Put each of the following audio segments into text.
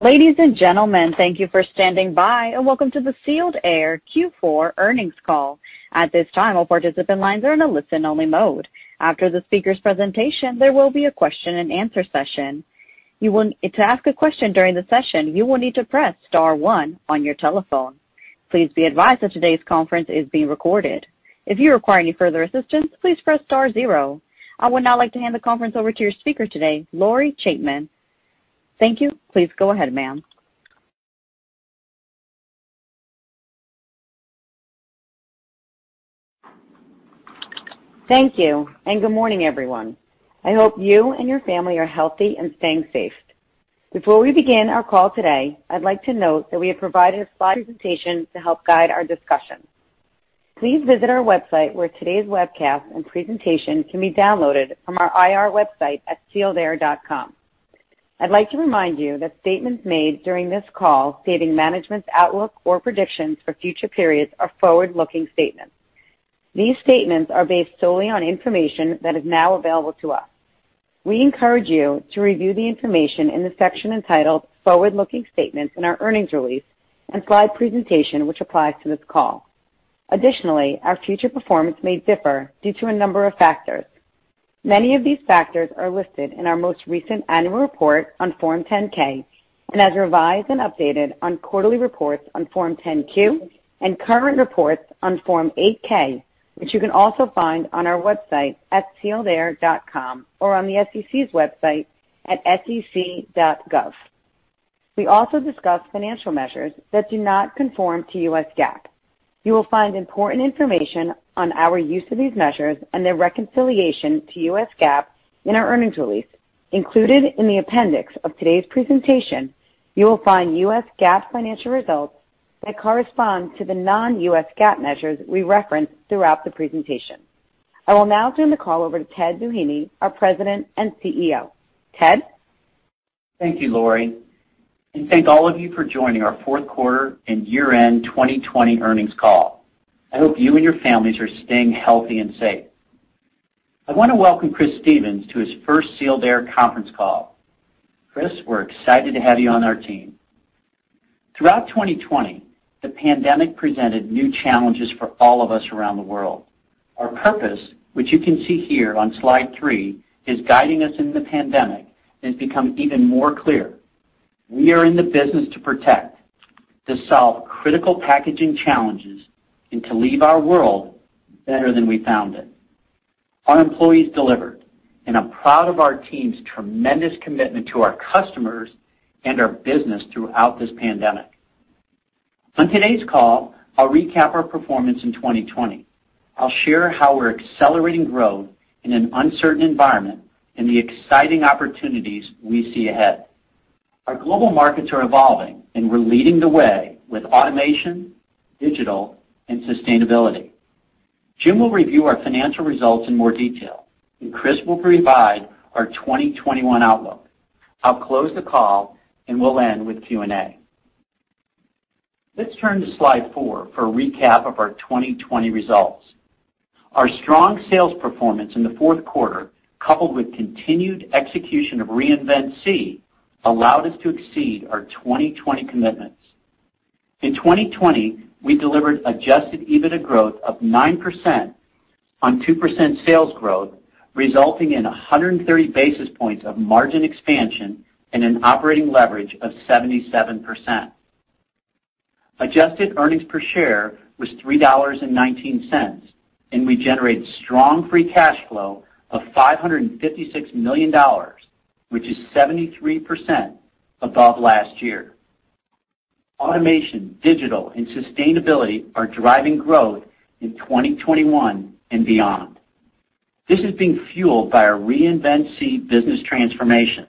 I would now like to hand the conference over to your speaker today, Lori Chaitman. Thank you. Please go ahead, ma'am. Thank you, and good morning, everyone. I hope you and your family are healthy and staying safe. Before we begin our call today, I'd like to note that we have provided a slide presentation to help guide our discussion. Please visit our website, where today's webcast and presentation can be downloaded from our IR website at sealedair.com. I'd like to remind you that statements made during this call stating management's outlook or predictions for future periods are forward-looking statements. These statements are based solely on information that is now available to us. We encourage you to review the information in the section entitled Forward-Looking Statements in our earnings release and slide presentation, which applies to this call. Additionally, our future performance may differ due to a number of factors. Many of these factors are listed in our most recent annual report on Form 10-K and as revised and updated on quarterly reports on Form 10-Q and current reports on Form 8-K, which you can also find on our website at sealedair.com or on the sec.gov. We also discuss financial measures that do not conform to US GAAP. You will find important information on our use of these measures and their reconciliation to US GAAP in our earnings release. Included in the appendix of today's presentation, you will find US GAAP financial results that correspond to the non-US GAAP measures we reference throughout the presentation. I will now turn the call over to Ted Doheny, our President and CEO. Ted? Thank you, Lori. Thank all of you for joining our fourth quarter and year-end 2020 earnings call. I hope you and your families are staying healthy and safe. I want to welcome Chris Stephens to his first Sealed Air conference call. Chris, we're excited to have you on our team. Throughout 2020, the pandemic presented new challenges for all of us around the world. Our purpose, which you can see here on slide three, is guiding us in the pandemic and has become even more clear. We are in the business to protect, to solve critical packaging challenges, and to leave our world better than we found it. Our employees delivered. I'm proud of our team's tremendous commitment to our customers and our business throughout this pandemic. On today's call, I'll recap our performance in 2020. I'll share how we're accelerating growth in an uncertain environment and the exciting opportunities we see ahead. Our global markets are evolving, and we're leading the way with automation, digital, and sustainability. Jim will review our financial results in more detail, and Chris will provide our 2021 outlook. I'll close the call, and we'll end with Q&A. Let's turn to slide four for a recap of our 2020 results. Our strong sales performance in the fourth quarter, coupled with continued execution of Reinvent SEE, allowed us to exceed our 2020 commitments. In 2020, we delivered adjusted EBITDA growth of 9% on 2% sales growth, resulting in 130 basis points of margin expansion and an operating leverage of 77%. Adjusted earnings per share was $3.19, and we generated strong free cash flow of $556 million, which is 73% above last year. Automation, digital, and sustainability are driving growth in 2021 and beyond. This is being fueled by our Reinvent SEE business transformation.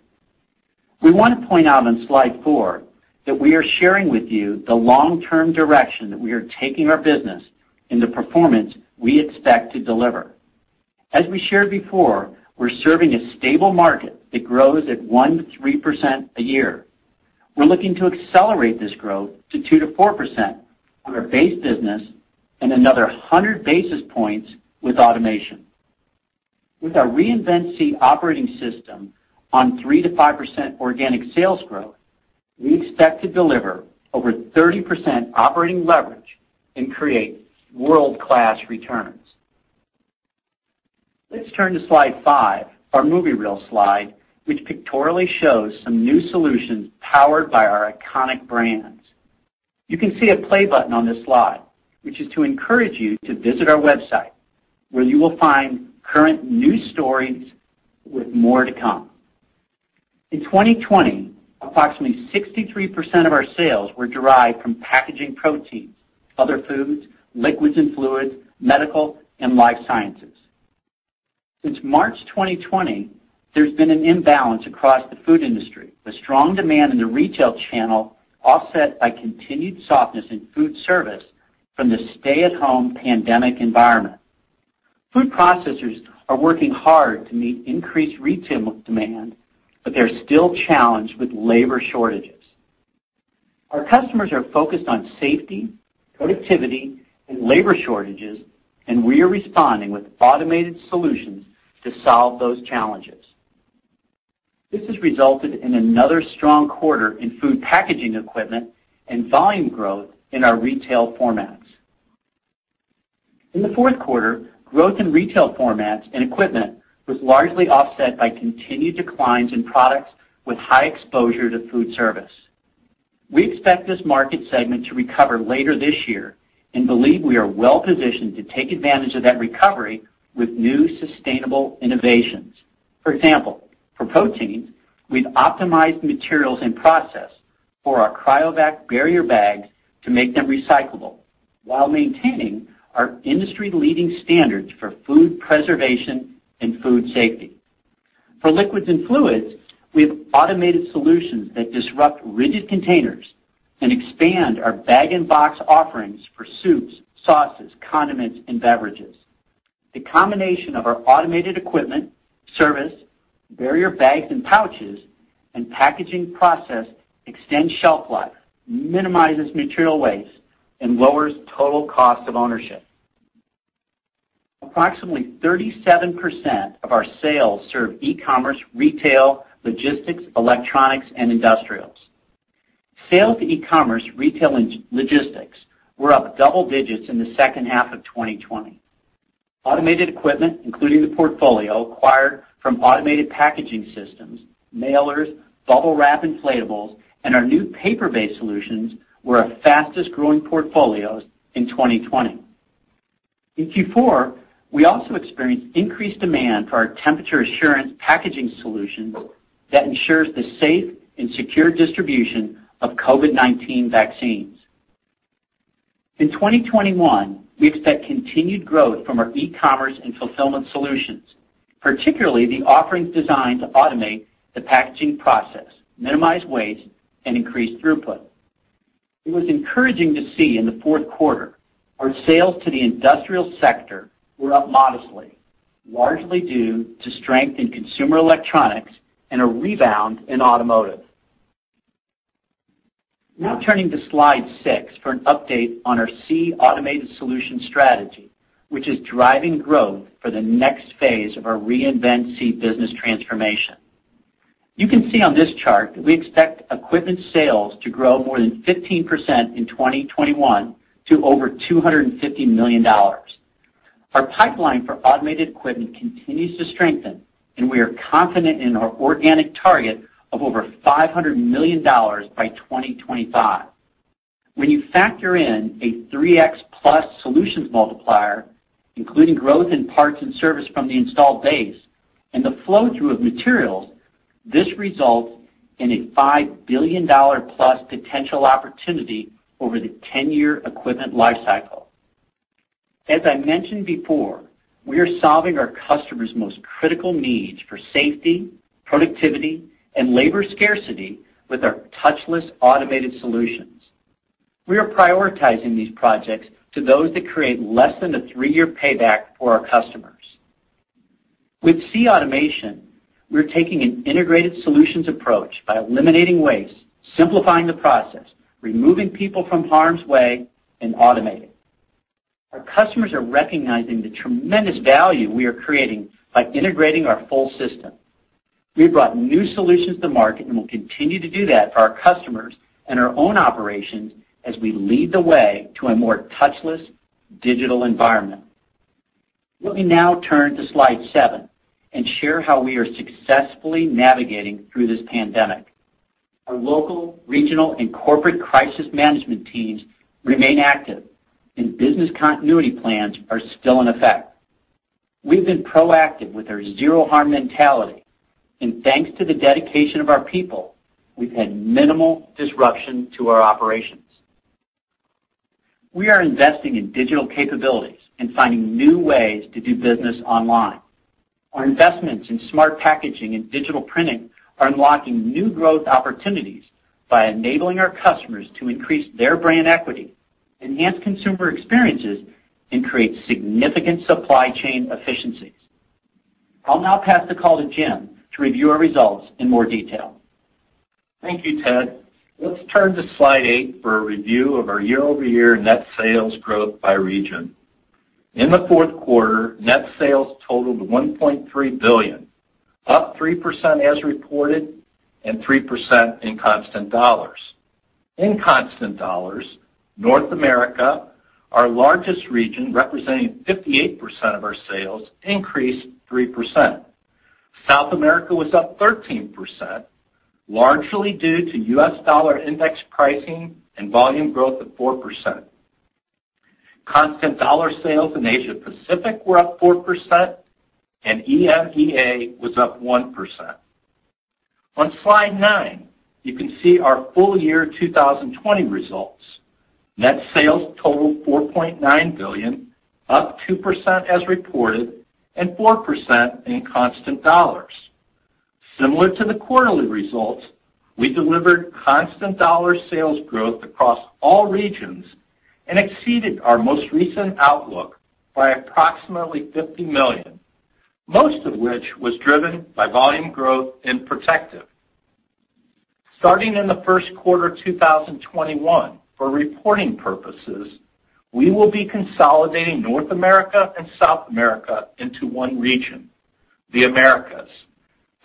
We want to point out on slide four that we are sharing with you the long-term direction that we are taking our business and the performance we expect to deliver. As we shared before, we're serving a stable market that grows at 1%-3% a year. We're looking to accelerate this growth to 2%-4% on our base business and another 100 basis points with automation. With our Reinvent SEE Operating System on 3%-5% organic sales growth, we expect to deliver over 30% operating leverage and create world-class returns. Let's turn to slide five, our movie reel slide, which pictorially shows some new solutions powered by our iconic brands. You can see a play button on this slide, which is to encourage you to visit our website, where you will find current news stories with more to come. In 2020, approximately 63% of our sales were derived from packaging proteins, other foods, liquids and fluids, medical, and life sciences. Since March 2020, there's been an imbalance across the food industry, with strong demand in the retail channel offset by continued softness in food service from the stay-at-home pandemic environment. Food processors are working hard to meet increased retail demand, but they're still challenged with labor shortages. Our customers are focused on safety, productivity, and labor shortages, and we are responding with automated solutions to solve those challenges. This has resulted in another strong quarter in food packaging equipment and volume growth in our retail formats. In the fourth quarter, growth in retail formats and equipment was largely offset by continued declines in products with high exposure to food service. We expect this market segment to recover later this year and believe we are well-positioned to take advantage of that recovery with new sustainable innovations. For example, for proteins, we've optimized materials and process for our CRYOVAC barrier bags to make them recyclable while maintaining our industry-leading standards for food preservation and food safety. For liquids and fluids, we have automated solutions that disrupt rigid containers and expand our bag-in-box offerings for soups, sauces, condiments, and beverages. The combination of our automated equipment, service, barrier bags and pouches, and packaging process extends shelf life, minimizes material waste, and lowers total cost of ownership. Approximately 37% of our sales serve e-commerce, retail, logistics, electronics, and industrials. Sales to e-commerce retail logistics were up double digits in the second half of 2020. Automated equipment, including the portfolio acquired from Automated Packaging Systems, mailers, Bubble Wrap inflatables, and our new paper-based solutions, were our fastest-growing portfolios in 2020. In Q4, we also experienced increased demand for our temperature assurance packaging solutions that ensures the safe and secure distribution of COVID-19 vaccines. In 2021, we expect continued growth from our e-commerce and fulfillment solutions, particularly the offerings designed to automate the packaging process, minimize waste, and increase throughput. It was encouraging to see in the fourth quarter, our sales to the industrial sector were up modestly, largely due to strength in consumer electronics and a rebound in automotive. Turning to slide six for an update on our SEE Automated Solutions strategy, which is driving growth for the next phase of our Reinvent SEE business transformation. You can see on this chart that we expect equipment sales to grow more than 15% in 2021 to over $250 million. Our pipeline for automated equipment continues to strengthen, and we are confident in our organic target of over $500 million by 2025. When you factor in a 3x plus solutions multiplier, including growth in parts and service from the installed base and the flow-through of materials, this results in a $5 billion+ potential opportunity over the 10-year equipment life cycle. As I mentioned before, we are solving our customers' most critical needs for safety, productivity, and labor scarcity with our touchless automated solutions. We are prioritizing these projects to those that create less than a three-year payback for our customers. With SEE Automation, we're taking an integrated solutions approach by eliminating waste, simplifying the process, removing people from harm's way, and automating. Our customers are recognizing the tremendous value we are creating by integrating our full system. We've brought new solutions to market, and we'll continue to do that for our customers and our own operations as we lead the way to a more touchless digital environment. Let me now turn to slide seven and share how we are successfully navigating through this pandemic. Our local, regional, and corporate crisis management teams remain active, and business continuity plans are still in effect. We've been proactive with our zero harm mentality, and thanks to the dedication of our people, we've had minimal disruption to our operations. We are investing in digital capabilities and finding new ways to do business online. Our investments in smart packaging and digital printing are unlocking new growth opportunities by enabling our customers to increase their brand equity, enhance consumer experiences, and create significant supply chain efficiencies. I'll now pass the call to Jim to review our results in more detail. Thank you, Ted. Let's turn to slide eight for a review of our year-over-year net sales growth by region. In the fourth quarter, net sales totaled $1.3 billion, up 3% as reported and 3% in constant dollars. In constant dollars, North America, our largest region, representing 58% of our sales, increased 3%. South America was up 13%, largely due to U.S. dollar index pricing and volume growth of 4%. Constant dollar sales in Asia Pacific were up 4%, and EMEA was up 1%. On slide nine, you can see our full year 2020 results. Net sales totaled $4.9 billion, up 2% as reported and 4% in constant dollars. Similar to the quarterly results, we delivered constant dollar sales growth across all regions and exceeded our most recent outlook by approximately $50 million. Most of which was driven by volume growth in Protective. Starting in the first quarter 2021, for reporting purposes, we will be consolidating North America and South America into one region, the Americas.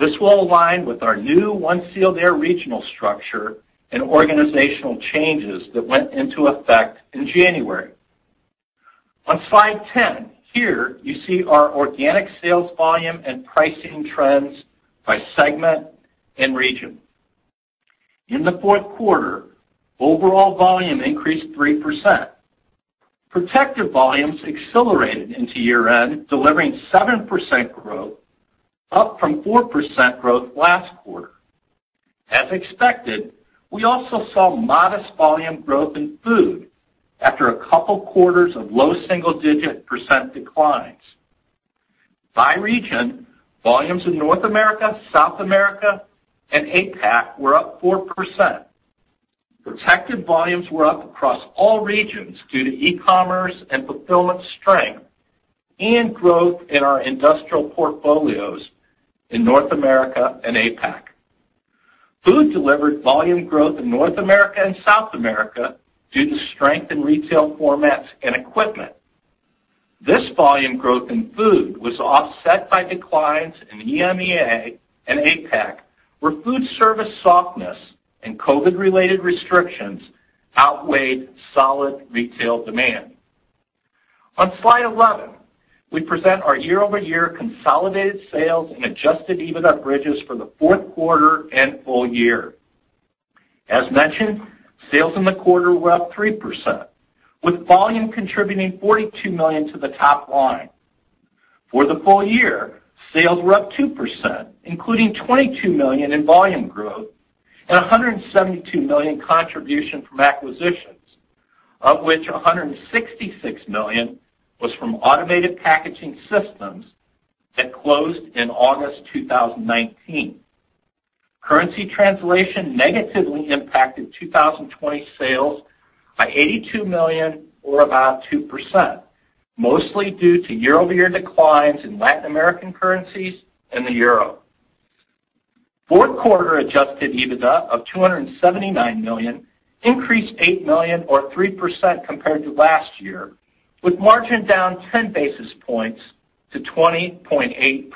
This will align with our new One Sealed Air regional structure and organizational changes that went into effect in January. On slide 10, here you see our organic sales volume and pricing trends by segment and region. In the fourth quarter, overall volume increased 3%. Protective volumes accelerated into year-end, delivering 7% growth, up from 4% growth last quarter. As expected, we also saw modest volume growth in Food after a couple quarters of low single-digit percent declines. By region, volumes in North America, South America, and APAC were up 4%. Protective volumes were up across all regions due to e-commerce and fulfillment strength and growth in our industrial portfolios in North America and APAC. Food delivered volume growth in North America and South America due to strength in retail formats and equipment. This volume growth in Food, was offset by declines in EMEA and APAC, where food service softness and COVID-19-related restrictions outweighed solid retail demand. On slide 11, we present our year-over-year consolidated sales and adjusted EBITDA bridges for the fourth quarter and full year. As mentioned, sales in the quarter were up 3%, with volume contributing $42 million to the top line. For the full year, sales were up 2%, including $22 million in volume growth and $172 million contribution from acquisitions, of which $166 million was from Automated Packaging Systems that closed in August 2019. Currency translation negatively impacted 2020 sales by $82 million or about 2%, mostly due to year-over-year declines in Latin American currencies and the euro. Fourth quarter adjusted EBITDA of $279 million increased $8 million or 3% compared to last year, with margin down 10 basis points to 20.8%.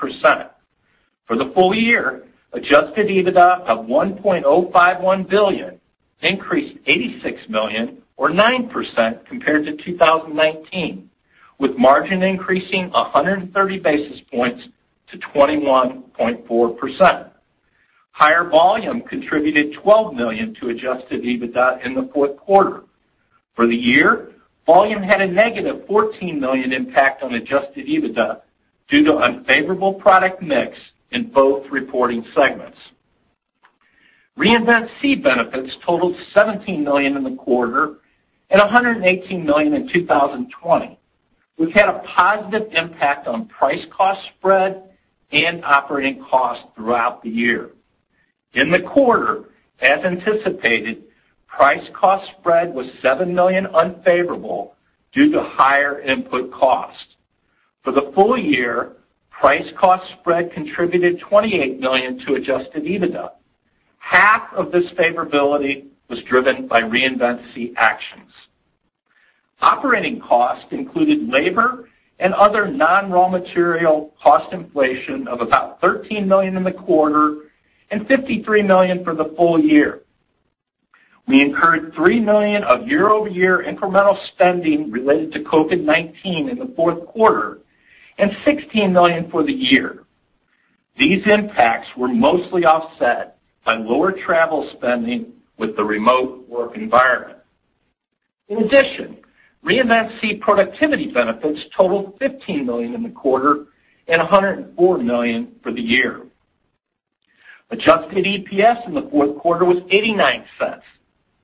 For the full year, adjusted EBITDA of $1.051 billion increased $86 million or 9% compared to 2019, with margin increasing 130 basis points to 21.4%. Higher volume contributed $12 million to adjusted EBITDA in the fourth quarter. For the year, volume had a -$14 million impact on adjusted EBITDA due to unfavorable product mix in both reporting segments. Reinvent SEE benefits totaled $17 million in the quarter and $118 million in 2020, which had a positive impact on price/cost spread and operating costs throughout the year. In the quarter, as anticipated, price/cost spread was $7 million unfavorable due to higher input costs. For the full year, price/cost spread contributed $28 million to adjusted EBITDA. Half of this favorability was driven by Reinvent SEE actions. Operating costs included labor and other non-raw material cost inflation of about $13 million in the quarter and $53 million for the full year. We incurred $3 million of year-over-year incremental spending related to COVID-19 in the fourth quarter and $16 million for the year. These impacts were mostly offset by lower travel spending with the remote work environment. Reinvent SEE productivity benefits totaled $15 million in the quarter and $104 million for the year. Adjusted EPS in the fourth quarter was $0.89.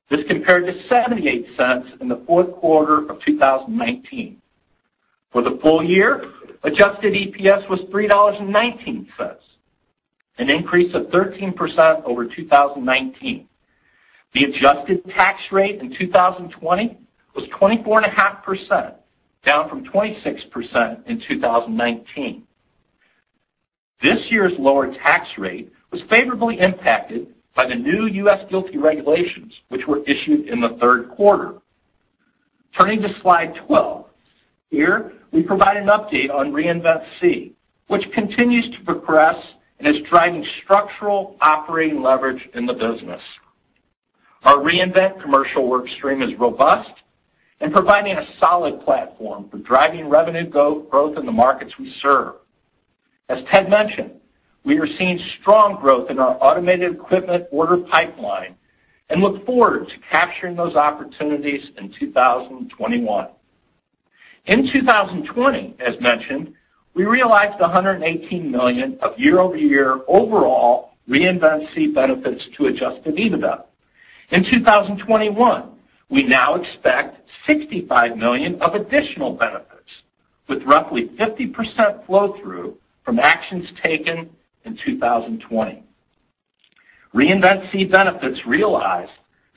This compared to $0.78 in the fourth quarter of 2019. For the full year, adjusted EPS was $3.19, an increase of 13% over 2019. The adjusted tax rate in 2020 was 24.5%, down from 26% in 2019. This year's lower tax rate was favorably impacted by the new US GAAP regulations, which were issued in the third quarter. Turning to slide 12. Here, we provide an update on Reinvent SEE, which continues to progress and is driving structural operating leverage in the business. Our Reinvent commercial work stream is robust and providing a solid platform for driving revenue growth in the markets we serve. As Ted mentioned, we are seeing strong growth in our automated equipment order pipeline and look forward to capturing those opportunities in 2021. In 2020, as mentioned, we realized $118 million of year-over-year overall Reinvent SEE benefits to adjusted EBITDA. In 2021, we now expect $65 million of additional benefits with roughly 50% flow-through from actions taken in 2020. Reinvent SEE benefits realized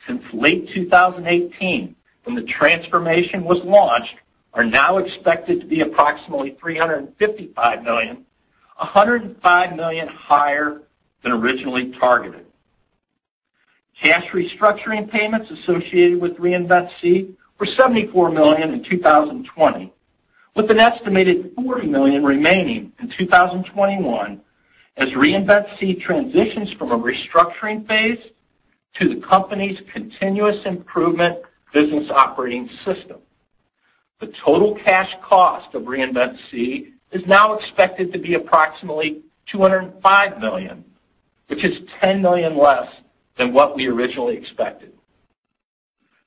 since late 2018 when the transformation was launched are now expected to be approximately $355 million, $105 million higher than originally targeted. Cash restructuring payments associated with Reinvent SEE were $74 million in 2020, with an estimated $40 million remaining in 2021 as Reinvent SEE transitions from a restructuring phase to the company's continuous improvement business operating system. The total cash cost of Reinvent SEE is now expected to be approximately $205 million, which is $10 million less than what we originally expected.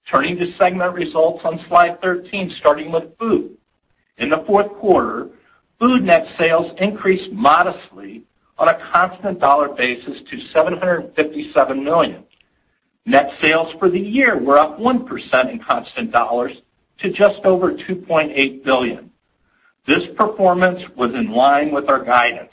Turning to segment results on Slide 13, starting with Food. In the fourth quarter, Food net sales increased modestly on a constant dollar basis to $757 million. Net sales for the year were up 1% in constant dollars to just over $2.8 billion. This performance was in line with our guidance.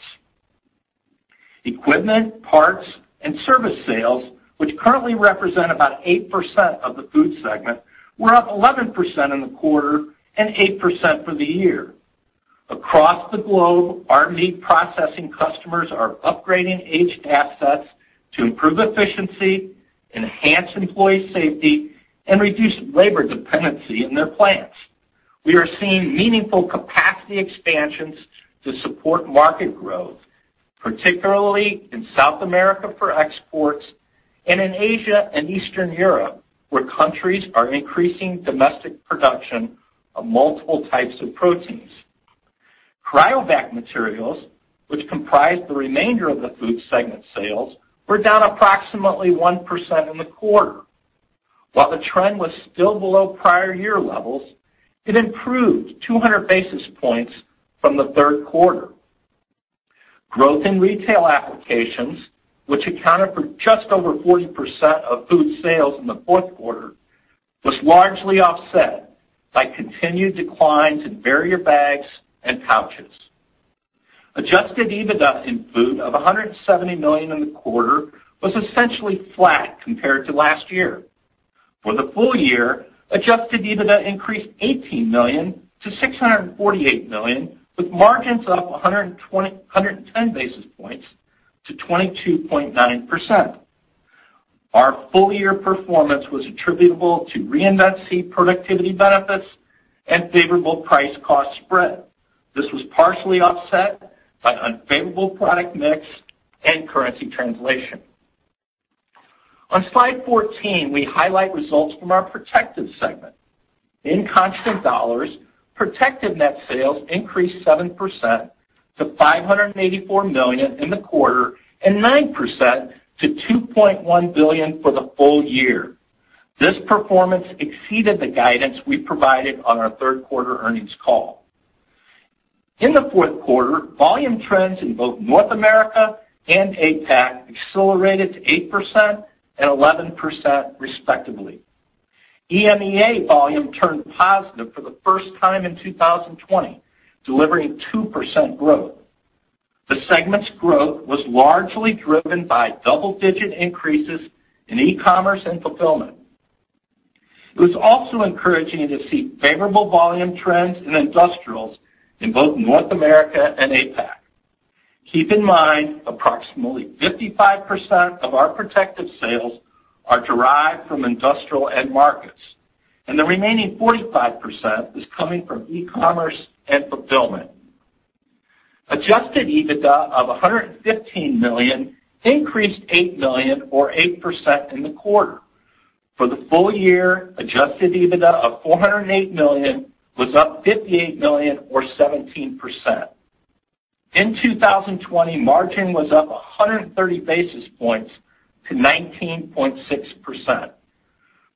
Equipment, parts, and service sales, which currently represent about 8% of the Food segment, were up 11% in the quarter and 8% for the year. Across the globe, our meat processing customers are upgrading aged assets to improve efficiency, enhance employee safety, and reduce labor dependency in their plants. We are seeing meaningful capacity expansions to support market growth, particularly in South America for exports and in Asia and Eastern Europe, where countries are increasing domestic production of multiple types of proteins. Cryovac materials, which comprise the remainder of the Food segment sales, were down approximately 1% in the quarter. While the trend was still below prior year levels, it improved 200 basis points from the third quarter. Growth in retail applications, which accounted for just over 40% of Food sales in the fourth quarter, was largely offset by continued declines in barrier bags and pouches. Adjusted EBITDA in Food of $170 million in the quarter was essentially flat compared to last year. For the full year, adjusted EBITDA increased $18 million to $648 million, with margins up 110 basis points to 22.9%. Our full-year performance was attributable to Reinvent SEE productivity benefits and favorable price-cost spread. This was partially offset by unfavorable product mix and currency translation. On Slide 14, we highlight results from our Protective segment. In constant dollars, Protective net sales increased 7% to $584 million in the quarter and 9% to $2.1 billion for the full year. This performance exceeded the guidance we provided on our third quarter earnings call. In the fourth quarter, volume trends in both North America and APAC accelerated to 8% and 11%, respectively. EMEA volume turned positive for the first time in 2020, delivering 2% growth. The segment's growth was largely driven by double-digit increases in e-commerce and fulfillment. It was also encouraging to see favorable volume trends in industrials in both North America and APAC. Keep in mind, approximately 55% of our Protective sales are derived from industrial end markets, and the remaining 45% is coming from e-commerce and fulfillment. Adjusted EBITDA of $115 million increased $8 million or 8% in the quarter. For the full year, Adjusted EBITDA of $408 million was up $58 million or 17%. In 2020, margin was up 130 basis points to 19.6%.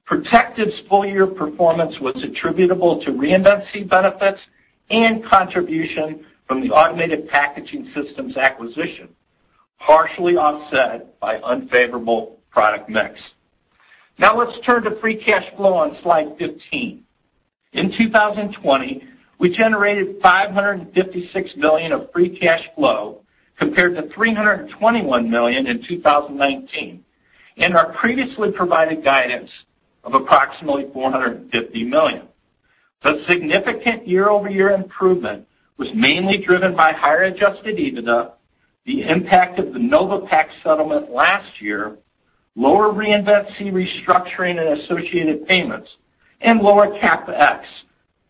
Protective's full-year performance was attributable to Reinvent SEE benefits and contribution from the Automated Packaging Systems acquisition, partially offset by unfavorable product mix. Let's turn to free cash flow on Slide 15. In 2020, we generated $556 million of free cash flow compared to $321 million in 2019 and our previously provided guidance of approximately $450 million. The significant year-over-year improvement was mainly driven by higher adjusted EBITDA, the impact of the Novipax settlement last year, lower Reinvent SEE restructuring and associated payments, and lower CapEx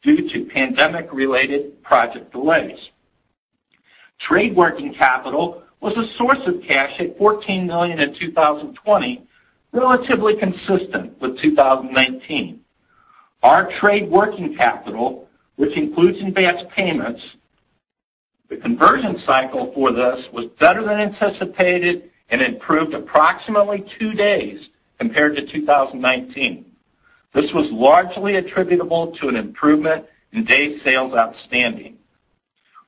due to pandemic-related project delays. Trade working capital was a source of cash at $14 million in 2020, relatively consistent with 2019. Our trade working capital, which includes advanced payments, the conversion cycle for this was better than anticipated and improved approximately two days compared to 2019. This was largely attributable to an improvement in days sales outstanding.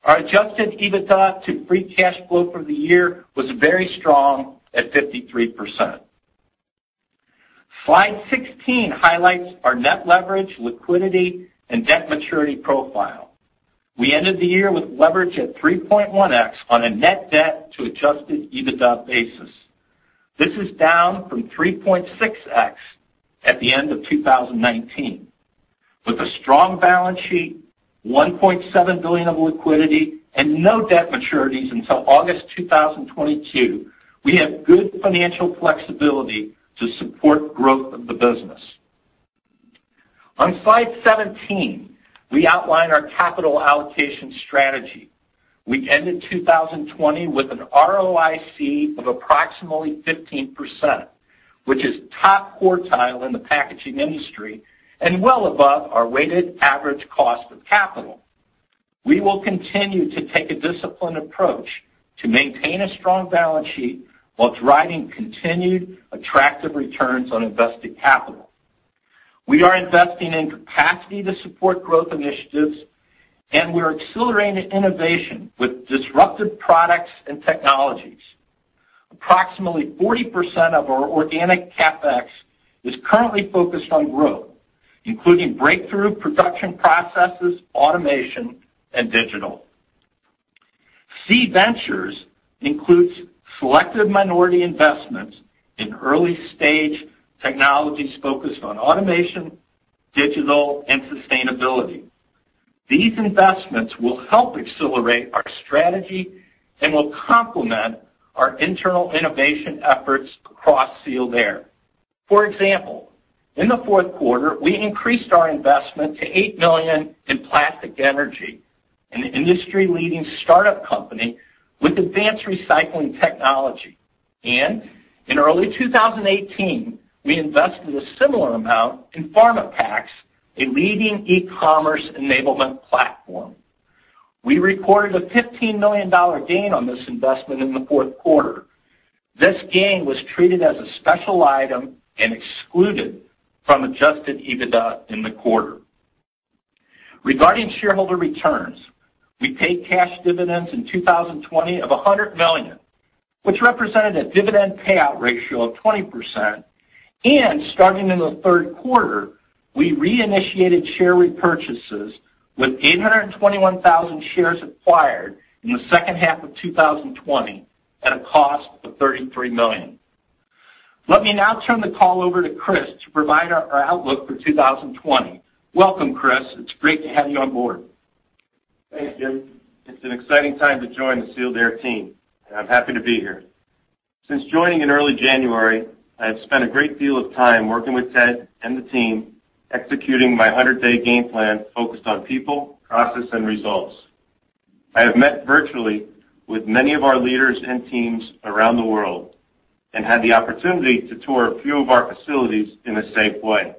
Our adjusted EBITDA to free cash flow for the year was very strong at 53%. Slide 16 highlights our net leverage, liquidity, and debt maturity profile. We ended the year with leverage at 3.1x on a net debt to adjusted EBITDA basis. This is down from 3.6x at the end of 2019. With a strong balance sheet, $1.7 billion of liquidity, and no debt maturities until August 2022, we have good financial flexibility to support growth of the business. On slide 17, we outline our capital allocation strategy. We ended 2020 with an ROIC of approximately 15%, which is top quartile in the packaging industry and well above our weighted average cost of capital. We will continue to take a disciplined approach to maintain a strong balance sheet while driving continued attractive returns on invested capital. We are investing in capacity to support growth initiatives, and we're accelerating innovation with disruptive products and technologies. Approximately 40% of our organic CapEx is currently focused on growth, including breakthrough production processes, automation, and digital. SEE Ventures includes selective minority investments in early-stage technologies focused on automation, digital, and sustainability. These investments will help accelerate our strategy and will complement our internal innovation efforts across Sealed Air. For example, in the fourth quarter, we increased our investment to $8 million in Plastic Energy, an industry-leading startup company with advanced recycling technology. In early 2018, we invested a similar amount in Pharmapacks, a leading e-commerce enablement platform. We recorded a $15 million gain on this investment in the fourth quarter. This gain was treated as a special item and excluded from adjusted EBITDA in the quarter. Regarding shareholder returns, we paid cash dividends in 2020 of $100 million, which represented a dividend payout ratio of 20%. Starting in the third quarter, we reinitiated share repurchases with 821,000 shares acquired in the second half of 2020 at a cost of $33 million. Let me now turn the call over to Chris to provide our outlook for 2020. Welcome, Chris. It's great to have you on board. Thanks, Jim. It's an exciting time to join the Sealed Air team, and I'm happy to be here. Since joining in early January, I have spent a great deal of time working with Ted and the team, executing my 100-day game plan focused on people, process, and results. I have met virtually with many of our leaders and teams around the world and had the opportunity to tour a few of our facilities in a safe way.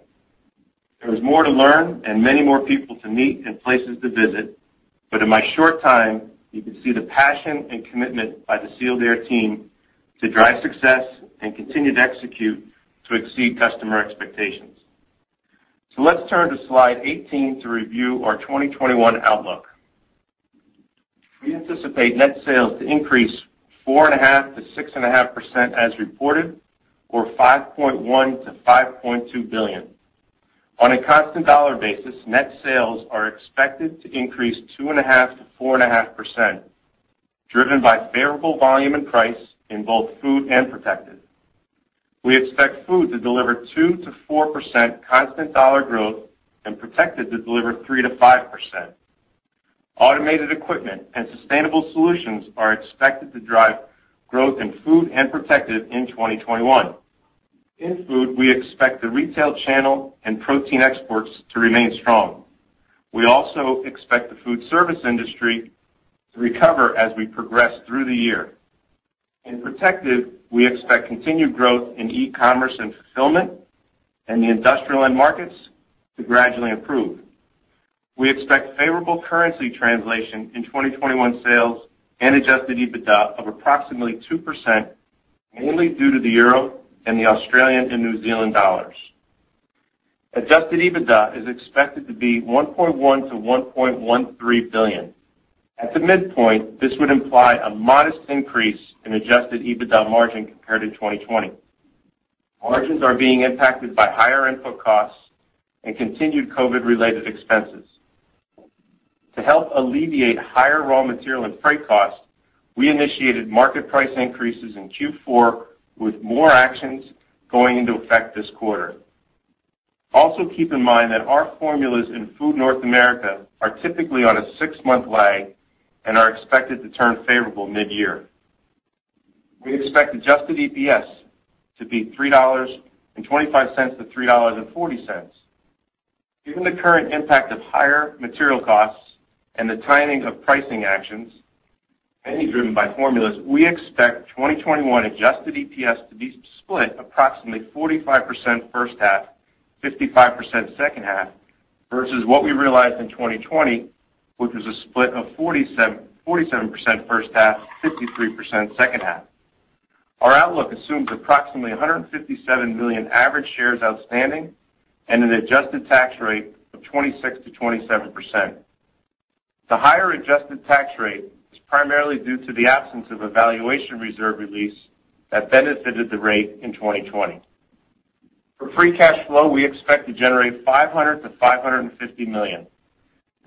In my short time, you can see the passion and commitment by the Sealed Air team to drive success and continue to execute to exceed customer expectations. Let's turn to slide 18 to review our 2021 outlook. We anticipate net sales to increase 4.5%-6.5% as reported, or $5.1 billion-$5.2 billion. On a constant dollar basis, net sales are expected to increase 2.5%-4.5%, driven by favorable volume and price in both Food and Protective. We expect Food to deliver 2%-4% constant dollar growth and Protective to deliver 3%-5%. Automated equipment and sustainable solutions are expected to drive growth in Food and Protective in 2021. In Food, we expect the retail channel and protein exports to remain strong. We also expect the food service industry to recover as we progress through the year. In Protective, we expect continued growth in e-commerce and fulfillment and the industrial end markets to gradually improve. We expect favorable currency translation in 2021 sales and adjusted EBITDA of approximately 2% mainly due to the euro and the Australian and New Zealand dollars. Adjusted EBITDA is expected to be $1.1 billion-$1.13 billion. At the midpoint, this would imply a modest increase in adjusted EBITDA margin compared to 2020. Margins are being impacted by higher input costs and continued COVID-related expenses. To help alleviate higher raw material and freight costs, we initiated market price increases in Q4 with more actions going into effect this quarter. Keep in mind that our formulas in Food North America are typically on a six-month lag and are expected to turn favorable mid-year. We expect adjusted EPS to be $3.25-$3.40. Given the current impact of higher material costs and the timing of pricing actions, mainly driven by formulas, we expect 2021 adjusted EPS to be split approximately 45% first half, 55% second half, versus what we realized in 2020, which was a split of 47% first half, 53% second half. Our outlook assumes approximately $157 million average shares outstanding and an adjusted tax rate of 26%-27%. The higher adjusted tax rate is primarily due to the absence of a valuation reserve release that benefited the rate in 2020. For free cash flow, we expect to generate $500 million-$550 million.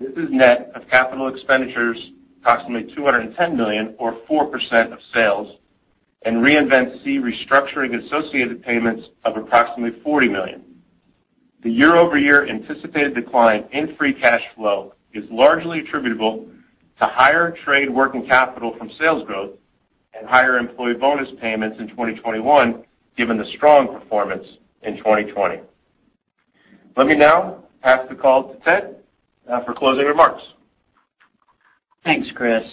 This is net of capital expenditures, approximately $210 million or 4% of sales, and Reinvent SEE restructuring associated payments of approximately $40 million. The year-over-year anticipated decline in free cash flow is largely attributable to higher trade working capital from sales growth and higher employee bonus payments in 2021, given the strong performance in 2020. Let me now pass the call to Ted for closing remarks. Thanks, Chris.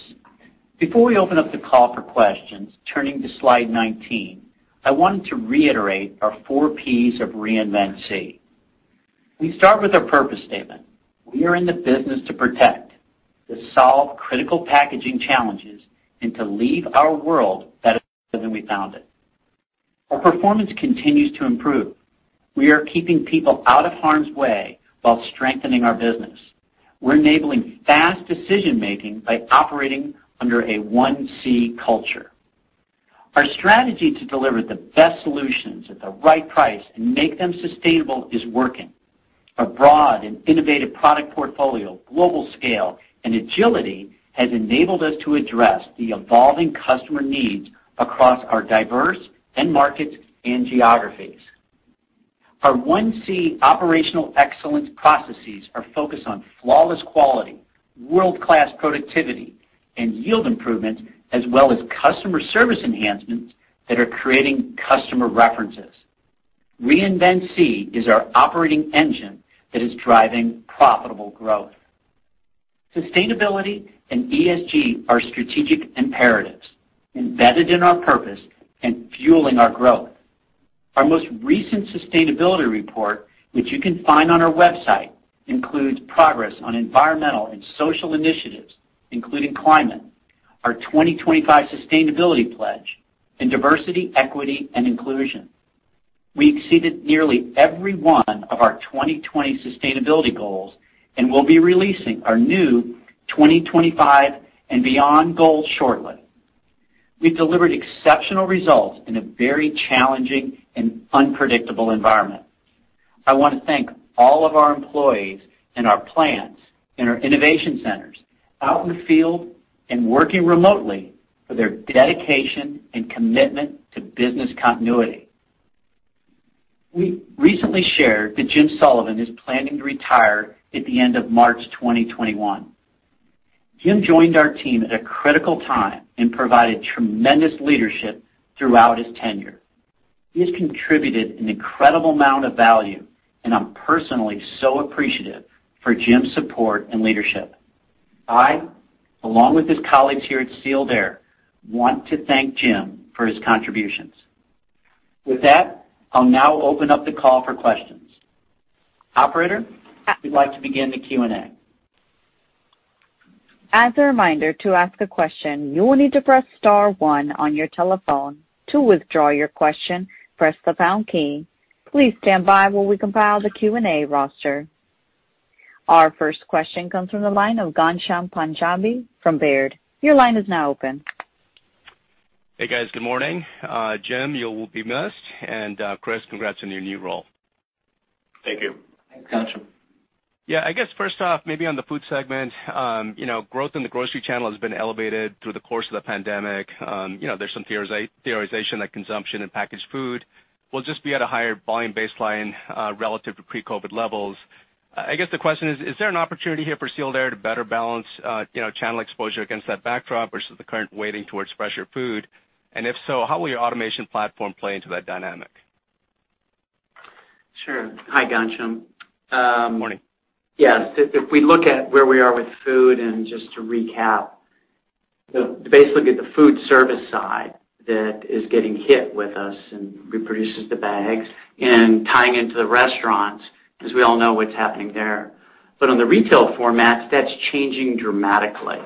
Before we open up the call for questions, turning to slide 19, I wanted to reiterate our four Ps of Reinvent SEE. We start with our purpose statement. We are in the business to protect, to solve critical packaging challenges, and to leave our world better than we found it. Our performance continues to improve. We are keeping people out of harm's way while strengthening our business. We're enabling fast decision-making by operating under a One SEE culture. Our strategy to deliver the best solutions at the right price and make them sustainable is working. Our broad and innovative product portfolio, global scale, and agility has enabled us to address the evolving customer needs across our diverse end markets and geographies. Our One SEE operational excellence processes are focused on flawless quality, world-class productivity, and yield improvements, as well as customer service enhancements that are creating customer references. Reinvent SEE is our operating engine that is driving profitable growth. Sustainability and ESG are strategic imperatives embedded in our purpose and fueling our growth. Our most recent sustainability report, which you can find on our website, includes progress on environmental and social initiatives, including climate, our 2025 sustainability pledge, and diversity, equity, and inclusion. We exceeded nearly every one of our 2020 sustainability goals and will be releasing our new 2025 and beyond goals shortly. We've delivered exceptional results in a very challenging and unpredictable environment. I want to thank all of our employees in our plants, in our innovation centers, out in the field, and working remotely for their dedication and commitment to business continuity. We recently shared that Jim Sullivan is planning to retire at the end of March 2021. Jim joined our team at a critical time and provided tremendous leadership throughout his tenure. He has contributed an incredible amount of value, and I'm personally so appreciative for Jim's support and leadership. I, along with his colleagues here at Sealed Air, want to thank Jim for his contributions. With that, I'll now open up the call for questions. Operator, we'd like to begin the Q&A. As a reminder to ask a question, you will need to press star one on your telephone, to withdraw your question, press the pound key. Please stand by while we compile the Q&A roster. Our first question comes from the line of Ghansham Panjabi from Baird. Hey, guys. Good morning. Jim, you will be missed. Chris, congrats on your new role. Thank you. Ghansham. Yeah, I guess first off, maybe on the Food segment. Growth in the grocery channel has been elevated through the course of the pandemic. There's some theorization that consumption in packaged food will just be at a higher volume baseline relative to pre-COVID levels. I guess the question is: Is there an opportunity here for Sealed Air to better balance channel exposure against that backdrop versus the current weighting towards fresher food? If so, how will your automation platform play into that dynamic? Sure. Hi, Ghansham. Morning. Yes. If we look at where we are with Food, just to recap, basically the food service side that is getting hit with us and reproduces the bags and tying into the restaurants, because we all know what's happening there. On the retail formats, that's changing dramatically.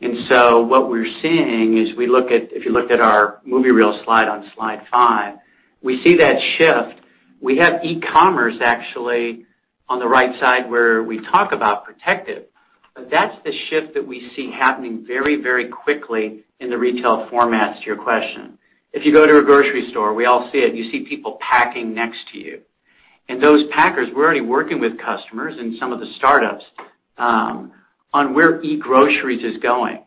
What we're seeing is if you looked at our movie reel slide on slide five, we see that shift. We have e-commerce actually on the right side where we talk about Protective. That's the shift that we see happening very quickly in the retail formats to your question. If you go to a grocery store, we all see it. You see people packing next to you. Those packers, we're already working with customers and some of the startups on where e-groceries is going.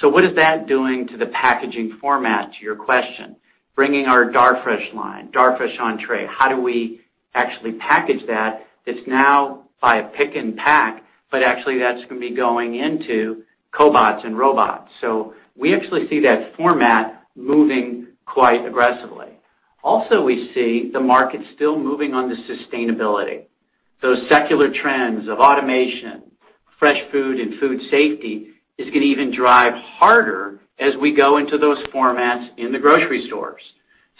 What is that doing to the packaging format, to your question? Bringing our Darfresh line, Darfresh on Tray. How do we actually package that? It's now by pick and pack, but actually that's going to be going into cobots and robots. Also, we see the market still moving on the sustainability. Those secular trends of automation, fresh food, and food safety is going to even drive harder as we go into those formats in the grocery stores.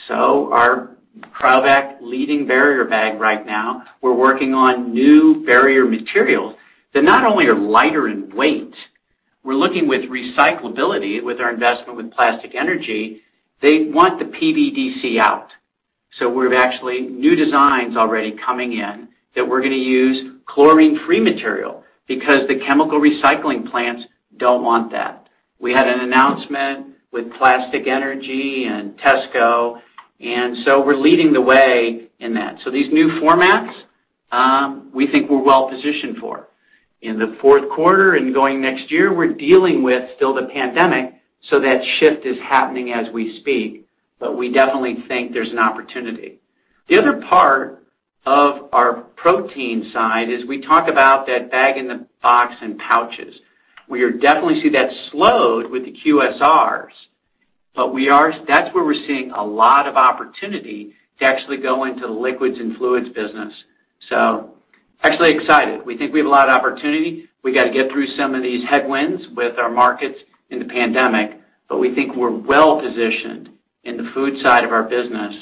Our Cryovac leading barrier bag right now, we're working on new barrier materials that not only are lighter in weight, we're looking with recyclability with our investment with Plastic Energy. They want the PVDC out. We have actually new designs already coming in that we're going to use chlorine-free material because the chemical recycling plants don't want that. We had an announcement with Plastic Energy and Tesco. We're leading the way in that. These new formats, we think we're well positioned for. In the fourth quarter and going next year, we're dealing with still the pandemic, so that shift is happening as we speak. We definitely think there's an opportunity. The other part of our protein side is we talk about that bag-in-box and pouches. We definitely see that slowed with the QSRs, but that's where we're seeing a lot of opportunity to actually go into the liquids and fluids business. We're actually excited. We think we have a lot of opportunity. We got to get through some of these headwinds with our markets in the pandemic, but we think we're well positioned in the Food side of our business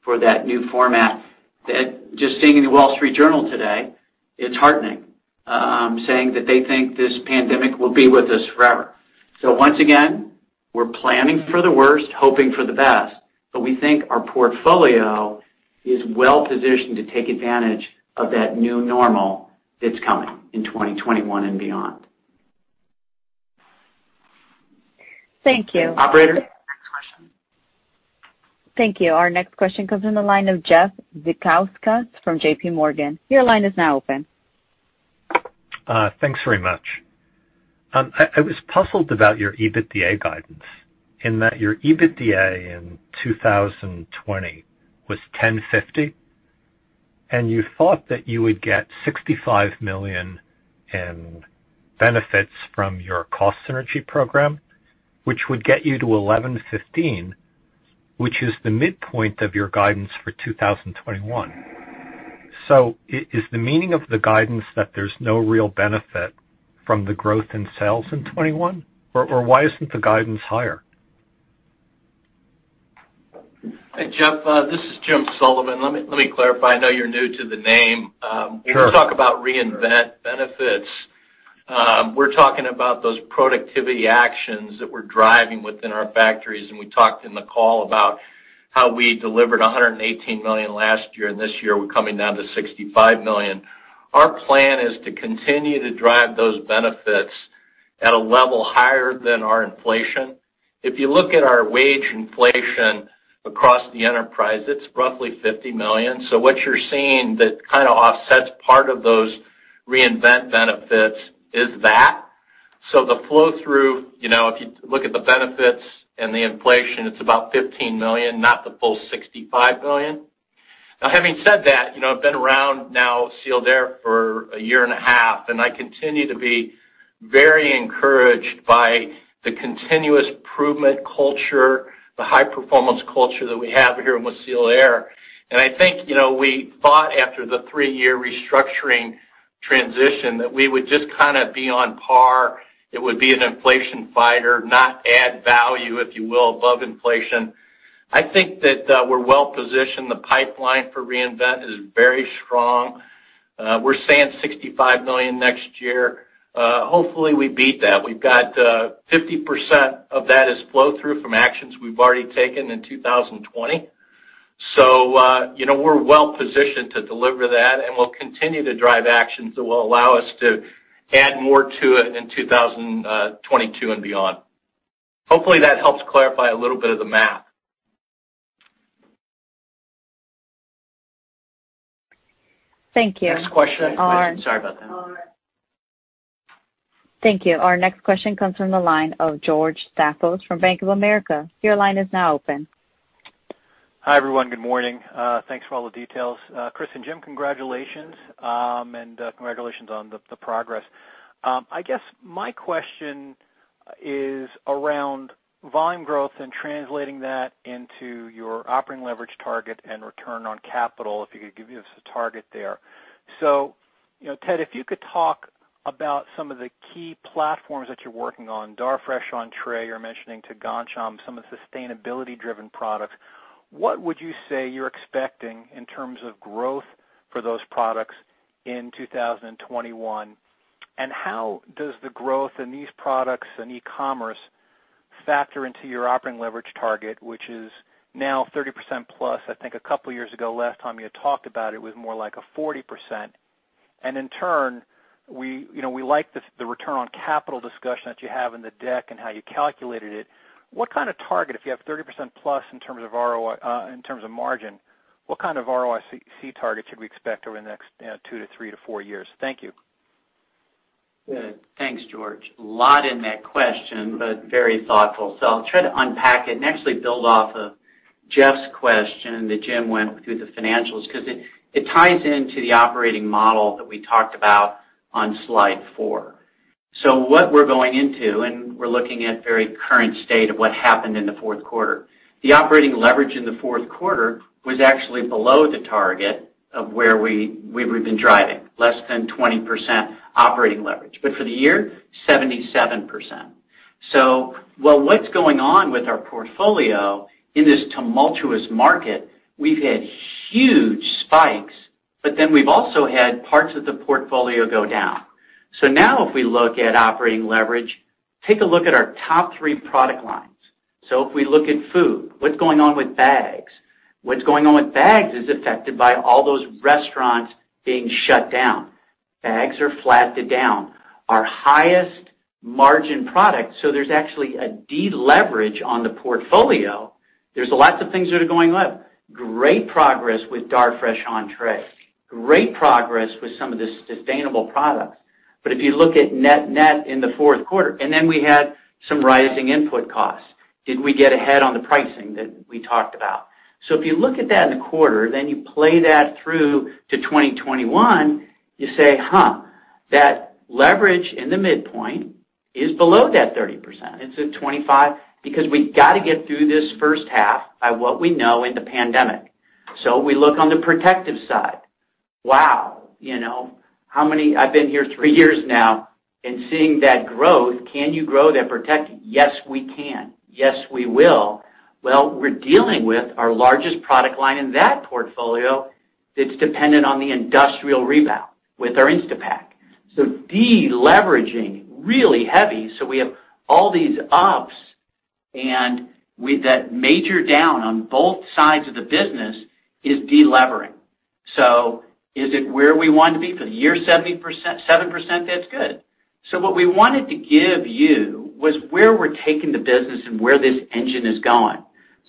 for that new format that just seeing in The Wall Street Journal today, it's heartening, saying that they think this pandemic will be with us forever. Once again, we're planning for the worst, hoping for the best, but we think our portfolio is well positioned to take advantage of that new normal that's coming in 2021 and beyond. Thank you. Operator? Next question. Thank you. Our next question comes from the line of Jeff Zekauskas from JPMorgan. Your line is now open. Thanks very much. I was puzzled about your EBITDA guidance in that your EBITDA in 2020 was $1,050, and you thought that you would get $65 million in benefits from your cost synergy program, which would get you to $1,115, which is the midpoint of your guidance for 2021. Is the meaning of the guidance that there's no real benefit from the growth in sales in 2021? Why isn't the guidance higher? Hey, Jeff. This is Jim Sullivan. Let me clarify. I know you're new to the name. Sure. When we talk about Reinvent benefits, we're talking about those productivity actions that we're driving within our factories, and we talked in the call about how we delivered $118 million last year, and this year we're coming down to $65 million. Our plan is to continue to drive those benefits at a level higher than our inflation. If you look at our wage inflation across the enterprise, it's roughly $50 million. What you're seeing that kind of offsets part of those Reinvent benefits is that. The flow-through, if you look at the benefits and the inflation, it's about $15 million, not the full $65 million. Having said that, I've been around now Sealed Air for a year and a half, and I continue to be very encouraged by the continuous improvement culture, the high performance culture that we have here with Sealed Air. I think, we thought after the three-year restructuring transition that we would just kind of be on par, it would be an inflation fighter, not add value, if you will, above inflation. I think that we're well positioned. The pipeline for Reinvent SEE is very strong. We're saying $65 million next year. Hopefully, we beat that. We've got 50% of that is flow-through from actions we've already taken in 2020. We're well positioned to deliver that, and we'll continue to drive actions that will allow us to add more to it in 2022 and beyond. Hopefully, that helps clarify a little bit of the math. Thank you. Next question. Sorry about that. Thank you. Our next question comes from the line of George Staphos from Bank of America. Your line is now open. Hi, everyone. Good morning. Thanks for all the details. Chris and Jim, congratulations, and congratulations on the progress. I guess my question is around volume growth and translating that into your operating leverage target and return on capital, if you could give us a target there. Ted, if you could talk about some of the key platforms that you're working on, Darfresh on Tray, you're mentioning Tagatome, some of the sustainability driven products. What would you say you're expecting in terms of growth for those products in 2021? How does the growth in these products and e-commerce factor into your operating leverage target, which is now 30% plus? I think a couple years ago, last time you had talked about it was more like a 40%. In turn, we like the return on capital discussion that you have in the deck and how you calculated it. What kind of target, if you have 30%+ in terms of margin, what kind of ROIC target should we expect over the next two to three to four years? Thank you. Good. Thanks, George. Lot in that question, very thoughtful. I'll try to unpack it and actually build off of Jeff's question that Jim went through the financials, because it ties into the operating model that we talked about on slide four. What we're going into, and we're looking at very current state of what happened in the fourth quarter. The operating leverage in the fourth quarter was actually below the target of where we've been driving, less than 20% operating leverage. For the year, 77%. While what's going on with our portfolio in this tumultuous market, we've had huge spikes. We've also had parts of the portfolio go down. Now if we look at operating leverage, take a look at our top three product lines. If we look at Food, what's going on with bags? What's going on with bags is affected by all those restaurants being shut down. Bags are flat to down. Our highest margin product, there's actually a deleverage on the portfolio. There's lots of things that are going up. Great progress with Darfresh Entrée. Great progress with some of the sustainable products. If you look at net-net in the fourth quarter, and then we had some rising input costs. Did we get ahead on the pricing that we talked about? If you look at that in the quarter, then you play that through to 2021, you say, "Huh, that leverage in the midpoint is below that 30%." It's at 25 because we've got to get through this first half by what we know in the pandemic. We look on the protective side. Wow. I've been here three years now and seeing that growth, can you grow that Protective? Yes, we can. Yes, we will. We're dealing with our largest product line in that portfolio that's dependent on the industrial rebound with our Instapak. Deleveraging really heavy. We have all these ups, and with that major down on both sides of the business is delevering. Is it where we want to be? For the year, 7%, that's good. What we wanted to give you was where we're taking the business and where this engine is going.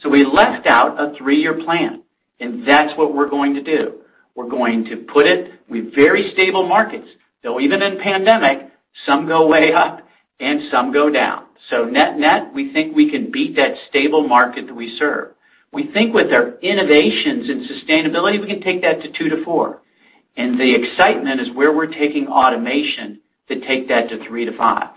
We left out a three-year plan, and that's what we're going to do. We're going to put it with very stable markets, though even in pandemic, some go way up and some go down. Net-net, we think we can beat that stable market that we serve. We think with our innovations in sustainability, we can take that to two to four. The excitement is where we're taking automation to take that to three to five.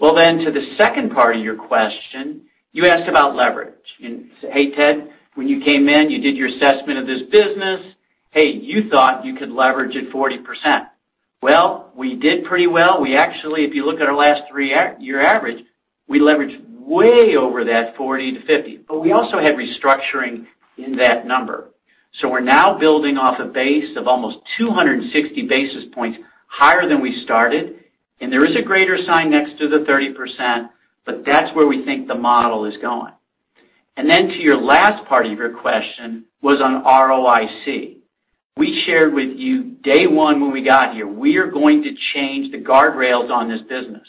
To the second part of your question, you asked about leverage. Hey, Ted, when you came in, you did your assessment of this business. You thought you could leverage at 40%. We did pretty well. We actually, if you look at our last three-year average, we leveraged way over that 40%-50%. We also had restructuring in that number. We're now building off a base of almost 260 basis points higher than we started. There is a greater sign next to the 30%, but that's where we think the model is going. To your last part of your question was on ROIC. We shared with you day one when we got here, we are going to change the guardrails on this business.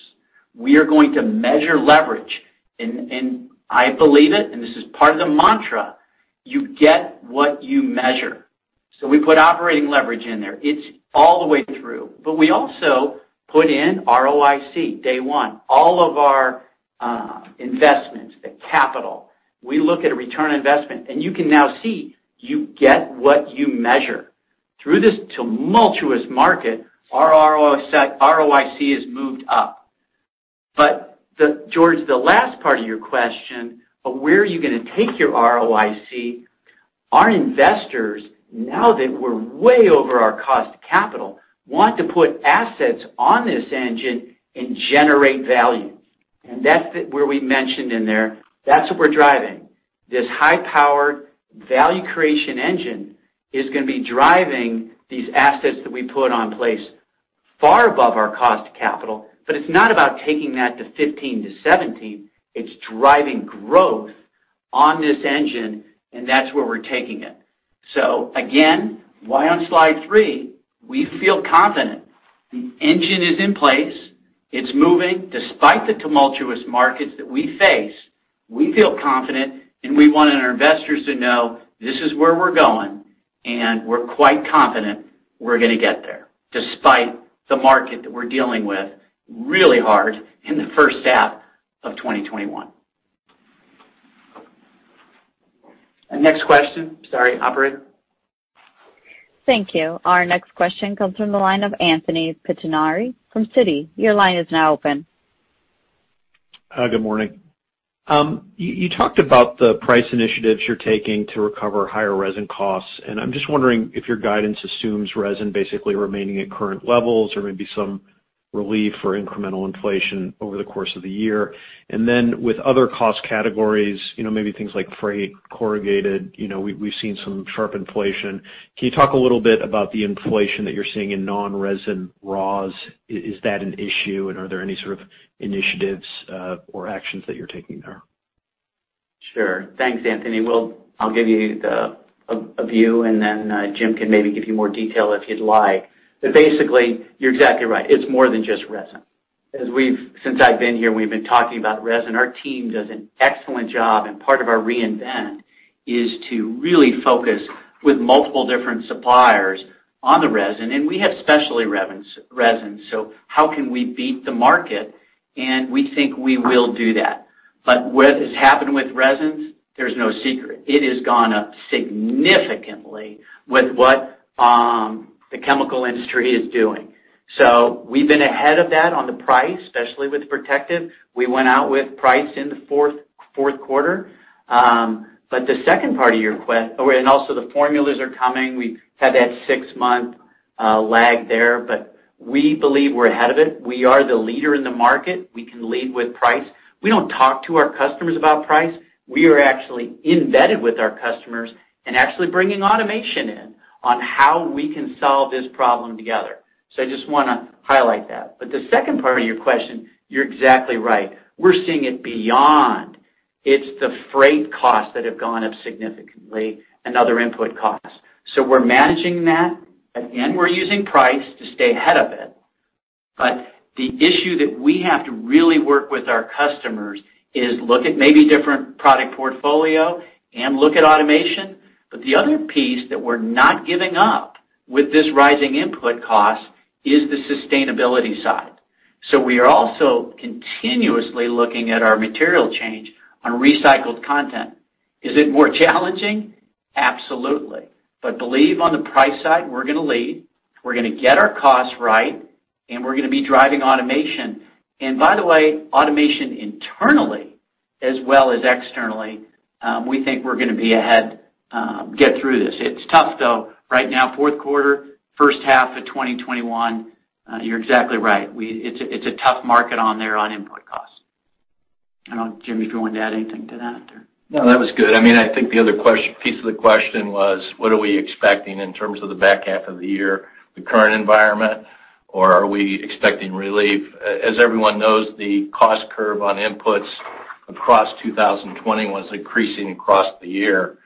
We are going to measure leverage, and I believe it, and this is part of the mantra. You get what you measure. We put operating leverage in there. It's all the way through. We also put in ROIC day one. All of our investments, the capital, we look at a return on investment, and you can now see you get what you measure. Through this tumultuous market, our ROIC has moved up. George, the last part of your question, where are you going to take your ROIC? Our investors, now that we're way over our cost of capital, want to put assets on this engine and generate value. That's where we mentioned in there, that's what we're driving. This high-powered value creation engine is going to be driving these assets that we put in place far above our cost of capital. It's not about taking that to 15 to 17. It's driving growth on this engine, and that's where we're taking it. Again, why on slide three? We feel confident. The engine is in place. It's moving despite the tumultuous markets that we face. We feel confident, and we wanted our investors to know this is where we're going, and we're quite confident we're going to get there, despite the market that we're dealing with really hard in the first half of 2021. Next question. Sorry, operator. Thank you. Our next question comes from the line of Anthony Pettinari from Citi. Good morning. You talked about the price initiatives you're taking to recover higher resin costs. I'm just wondering if your guidance assumes resin basically remaining at current levels or maybe some relief or incremental inflation over the course of the year. With other cost categories, maybe things like freight, corrugated, we've seen some sharp inflation. Can you talk a little bit about the inflation that you're seeing in non-resin raws? Is that an issue? Are there any sort of initiatives or actions that you're taking there? Sure. Thanks, Anthony. I'll give you a view, and then Jim can maybe give you more detail if he'd like. Basically, you're exactly right. It's more than just resin. Since I've been here, we've been talking about resin. Our team does an excellent job, and part of our Reinvent SEE is to really focus with multiple different suppliers on the resin. We have specialty resin, so how can we beat the market? We think we will do that. What has happened with resins, there's no secret. It has gone up significantly with what the chemical industry is doing. We've been ahead of that on the price, especially with Protective. We went out with price in the fourth quarter. Also the formulas are coming. We've had that six-month lag there, but we believe we're ahead of it. We are the leader in the market. We can lead with price. We don't talk to our customers about price. We are actually embedded with our customers and actually bringing automation in on how we can solve this problem together. I just want to highlight that. The second part of your question, you're exactly right. We're seeing it beyond. It's the freight costs that have gone up significantly and other input costs. We're managing that. Again, we're using price to stay ahead of it. The issue that we have to really work with our customers is look at maybe different product portfolio and look at automation. The other piece that we're not giving up with this rising input cost is the sustainability side. We are also continuously looking at our material change on recycled content. Is it more challenging? Absolutely. Believe on the price side, we're going to lead, we're going to get our costs right, and we're going to be driving automation. By the way, automation internally as well as externally, we think we're going to be ahead, get through this. It's tough though right now, fourth quarter, first half of 2021. You're exactly right. It's a tough market on there on input costs. I don't know, Jim, if you want to add anything to that? No, that was good. I think the other piece of the question was, what are we expecting in terms of the back half of the year, the current environment, or are we expecting relief? As everyone knows, the cost curve on inputs across 2020 was increasing across the year.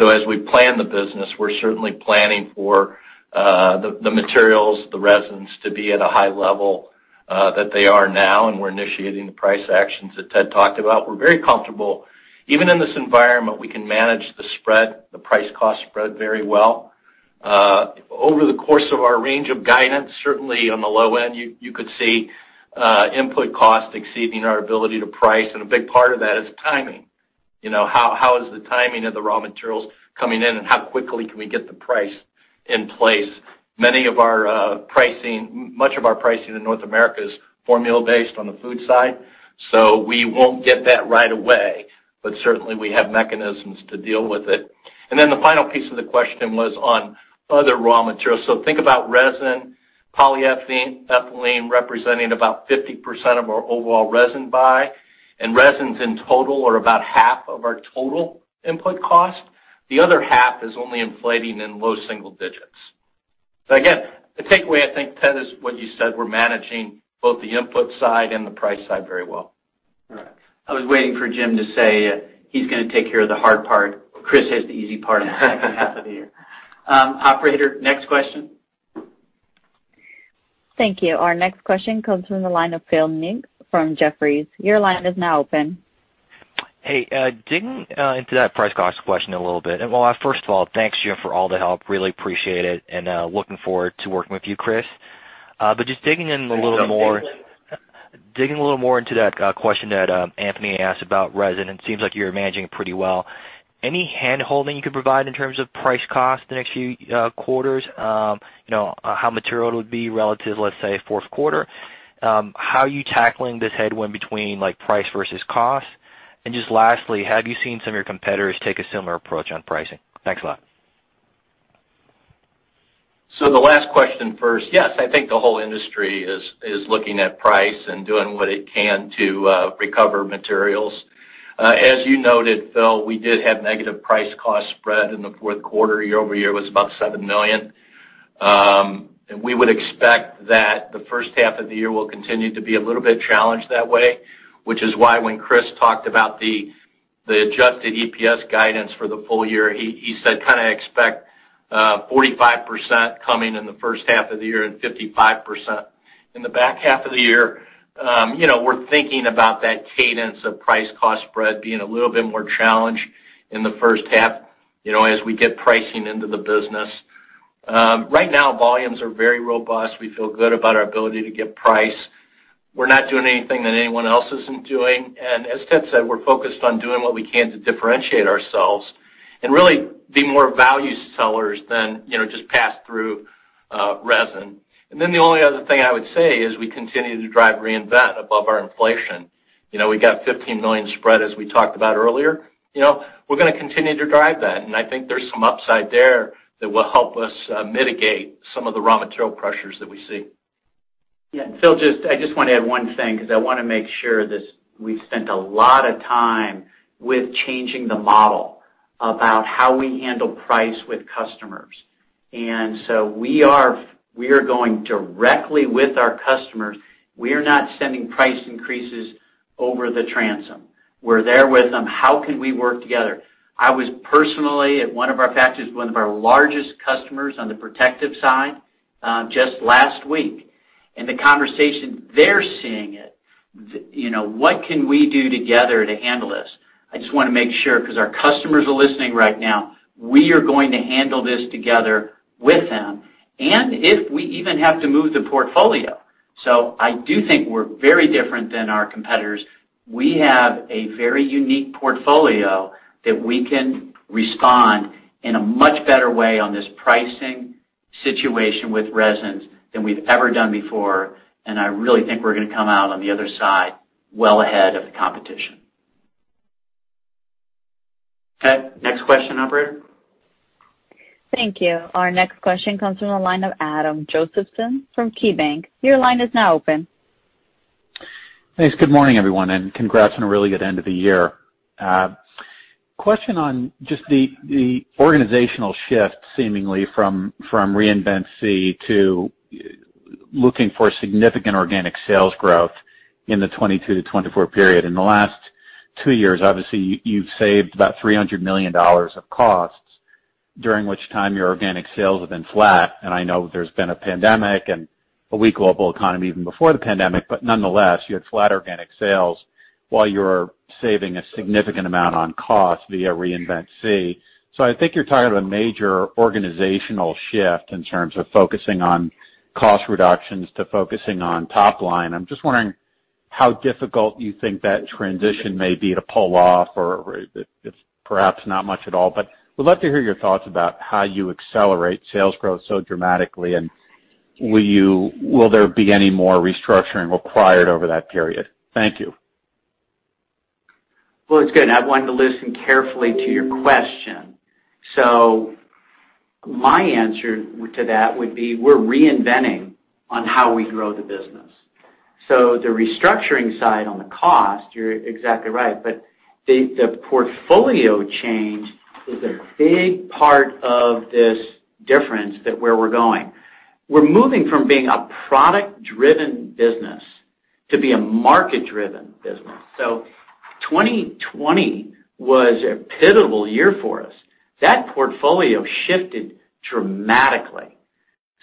As we plan the business, we're certainly planning for the materials, the resins to be at a high level that they are now, and we're initiating the price actions that Ted talked about. We're very comfortable. Even in this environment, we can manage the spread, the price cost spread very well. Over the course of our range of guidance, certainly on the low end, you could see input costs exceeding our ability to price, and a big part of that is timing. How is the timing of the raw materials coming in and how quickly can we get the price in place? Much of our pricing in North America is formula-based on the Food side. We won't get that right away, but certainly we have mechanisms to deal with it. The final piece of the question was on other raw materials. Think about resin, polyethylene representing about 50% of our overall resin buy, and resins in total are about half of our total input cost. The other half is only inflating in low single digits. Again, the takeaway I think, Ted, is what you said, we're managing both the input side and the price side very well. All right. I was waiting for Jim to say he's going to take care of the hard part. Chris has the easy part in the second half of the year. Operator, next question. Thank you. Our next question comes from the line of Phil Ng from Jefferies. Your line is now open. Hey, digging into that price cost question a little bit. Well, first of all, thanks, Jim for all the help. Really appreciate it, and looking forward to working with you, Chris. Just digging in a little more. Digging a little more into that question that Anthony asked about resin. It seems like you're managing it pretty well. Any handholding you could provide in terms of price cost the next few quarters? How material it would be relative, let's say, fourth quarter? How are you tackling this headwind between price versus cost? Just lastly, have you seen some of your competitors take a similar approach on pricing? Thanks a lot. The last question first. Yes, I think the whole industry is looking at price and doing what it can to recover materials. As you noted, Phil, we did have negative price cost spread in the fourth quarter, year-over-year was about $7 million. We would expect that the first half of the year will continue to be a little bit challenged that way, which is why when Chris talked about the adjusted EPS guidance for the full year, he said kind of expect 45% coming in the first half of the year and 55% in the back half of the year. We're thinking about that cadence of price cost spread being a little bit more challenged in the first half as we get pricing into the business. Right now, volumes are very robust. We feel good about our ability to get price. We're not doing anything that anyone else isn't doing. As Ted said, we're focused on doing what we can to differentiate ourselves and really be more value sellers than just pass through resin. The only other thing I would say is we continue to drive Reinvent SEE above our inflation. We got $15 million spread, as we talked about earlier. We're going to continue to drive that, and I think there's some upside there that will help us mitigate some of the raw material pressures that we see. Yeah. Phil, I just want to add one thing because I want to make sure that we've spent a lot of time with changing the model about how we handle price with customers. We are going directly with our customers. We are not sending price increases over the transom. We're there with them. How can we work together? I was personally at one of our factories with one of our largest customers on the Protective side just last week. The conversation, they're seeing it. What can we do together to handle this? I just want to make sure, because our customers are listening right now. We are going to handle this together with them, and if we even have to move the portfolio. I do think we're very different than our competitors. We have a very unique portfolio that we can respond in a much better way on this pricing situation with resins than we've ever done before. I really think we're going to come out on the other side well ahead of the competition. Next question, operator. Thank you. Our next question comes from the line of Adam Josephson from KeyBanc. Your line is now open. Thanks. Good morning, everyone, and congrats on a really good end of the year. Question on just the organizational shift seemingly from Reinvent SEE to looking for significant organic sales growth in the 2022 to 2024 period? In the last two years, obviously, you've saved about $300 million of costs, during which time your organic sales have been flat. I know there's been a pandemic and a weak global economy even before the pandemic. Nonetheless, you had flat organic sales while you're saving a significant amount on cost via Reinvent SEE. I think you're talking of a major organizational shift in terms of focusing on cost reductions to focusing on top line. I'm just wondering how difficult you think that transition may be to pull off or if perhaps not much at all? Would love to hear your thoughts about how you accelerate sales growth so dramatically, and will there be any more restructuring required over that period? Thank you. It's good. I wanted to listen carefully to your question. My answer to that would be, we're reinventing, on how we grow the business. The restructuring side on the cost, you're exactly right, but the portfolio change is a big part of this difference that where we're going. We're moving from being a product-driven business to be a market-driven business. 2020 was a pivotal year for us. That portfolio shifted dramatically.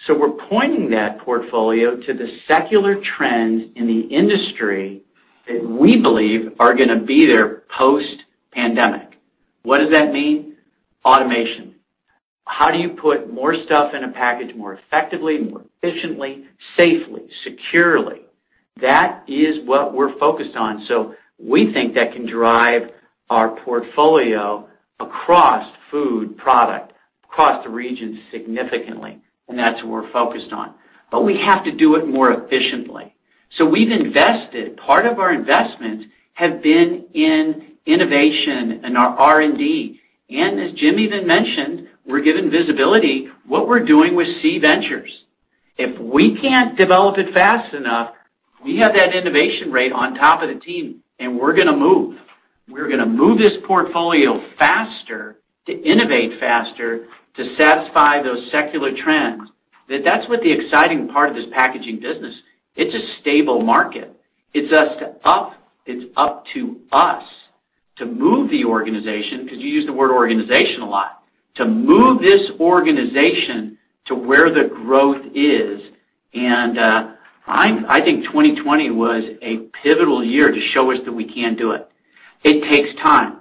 We're pointing that portfolio to the secular trends in the industry that we believe are going to be there post-pandemic. What does that mean? Automation. How do you put more stuff in a package more effectively, more efficiently, safely, securely? That is what we're focused on. We think that can drive our portfolio across Food, across the region significantly, and that's what we're focused on. We have to do it more efficiently. We've invested. Part of our investments have been in innovation and our R&D. As Jim even mentioned, we're given visibility what we're doing with SEE Ventures. If we can't develop it fast enough, we have that innovation rate on top of the team, and we're going to move. We're going to move this portfolio faster to innovate faster, to satisfy those secular trends. That's what the exciting part of this packaging business. It's a stable market. It's up to us to move the organization, because you use the word organization a lot, to move this organization to where the growth is. I think 2020 was a pivotal year to show us that we can do it. It takes time.